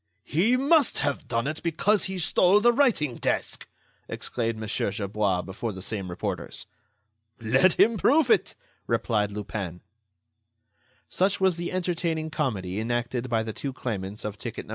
"He must have done it, because he stole the writing desk!" exclaimed Mon. Gerbois before the same reporters. "Let him prove it!" replied Lupin. Such was the entertaining comedy enacted by the two claimants of ticket No.